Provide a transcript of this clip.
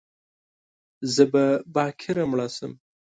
زه به باکره مړه شم